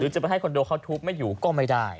จะไปให้คอนโดเขาทุบไม่อยู่ก็ไม่ได้